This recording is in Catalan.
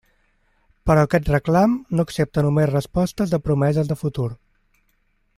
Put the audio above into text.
Però aquest reclam no accepta només respostes de promeses de futur.